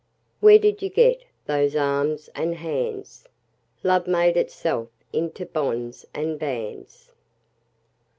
Where did you get those arms and hands? Love made itself into bonds and bands.